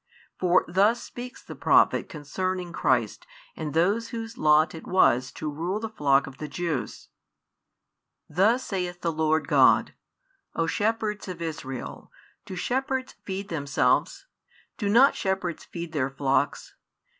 For thus speaks the Prophet concerning Christ and those whose lot it was to rule the flock of the Jews: Thus saith the Lord God: O shepherds of Israel, do |80 shepherds feed themselves? do not shepherds feed their flocks?